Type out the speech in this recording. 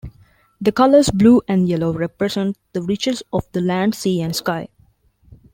The colours blue and yellow represent the riches of the land, sea and sky.